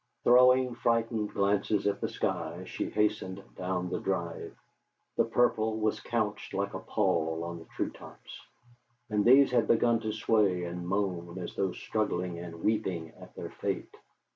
Throwing frightened glances at the sky, she hastened down the drive. The purple was couched like a pall on the treetops, and these had begun to sway and moan as though struggling and weeping at their fate.